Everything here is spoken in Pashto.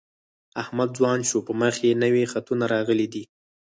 احمد ځوان شو په مخ یې نوي خطونه راغلي دي.